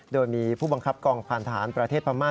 โดยมีผู้บังคับกองพันธหารประเทศพม่า